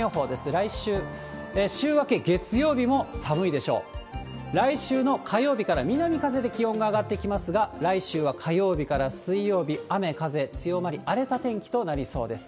来週の火曜日から南風で気温が上がってきますが、来週は火曜日から水曜日、雨風強まり、荒れた天気となりそうです。